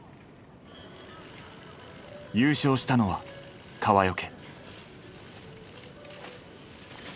優勝したのは川除。